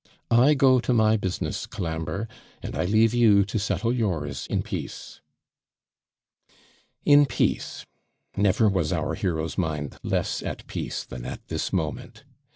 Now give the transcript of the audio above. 'I go to my business, Colambre; and I leave you to settle yours in peace.' In peace! Never was our hero's mind less at peace than at this moment.